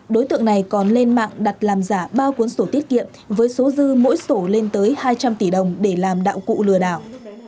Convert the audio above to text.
đối tượng này còn lên mạng đặt làm giả ba cuốn sổ tiết kiệm với số dư mỗi sổ lên tới hai trăm linh tỷ đồng để làm đạo cụ lừa đảo